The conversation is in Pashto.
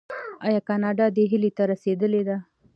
او کاناډا دې هیلې ته رسیدلې ده.